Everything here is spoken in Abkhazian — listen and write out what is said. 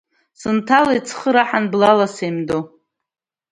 Сынҭалеит, схы раҳаны блала сеимдо.